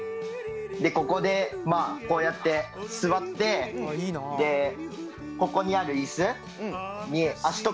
ここでこうやって座ってここにある椅子に足とか置いて。